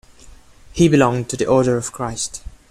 He belonged to the Order of Christ.